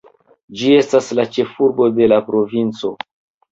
Ĝi estas la ĉefurbo de la provinco.